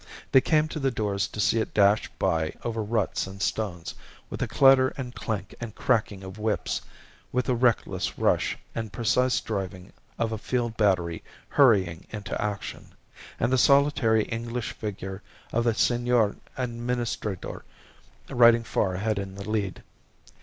They came to the doors to see it dash by over ruts and stones, with a clatter and clank and cracking of whips, with the reckless rush and precise driving of a field battery hurrying into action, and the solitary English figure of the Senor Administrador riding far ahead in the lead.